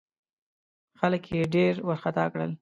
خلک یې ډېر وارخطا کړل.